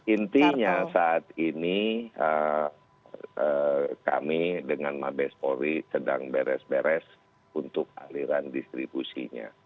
intinya saat ini kami dengan mabes polri sedang beres beres untuk aliran distribusinya